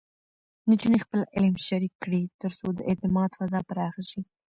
نجونې خپل علم شریک کړي، ترڅو د اعتماد فضا پراخه شي.